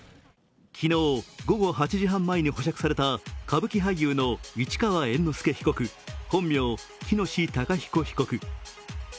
昨日、午後８時半前に保釈された歌舞伎俳優の市川猿之助被告、本名・喜熨斗孝彦被告。